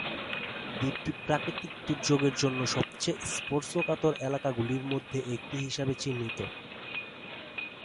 দ্বীপটি প্রাকৃতিক দুর্যোগের জন্য সবচেয়ে স্পর্শকাতর এলাকাগুলির মধ্যে একটি হিসাবে চিহ্নিত।